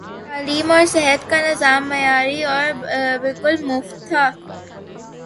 تعلیم اور صحت کا نظام معیاری اور بالکل مفت تھا۔